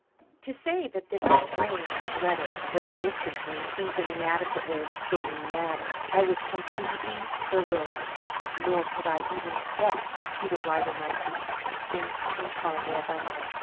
To say that this strange letter was a mystery to me seems an inadequate way of stating the matter. I was completely bewildered, nor could I even guess who the writer might be, think and ponder as I might.